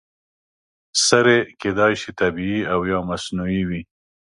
سرې کیدای شي طبیعي او یا مصنوعي وي.